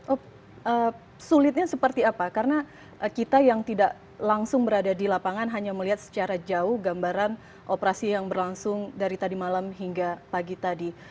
oh sulitnya seperti apa karena kita yang tidak langsung berada di lapangan hanya melihat secara jauh gambaran operasi yang berlangsung dari tadi malam hingga pagi tadi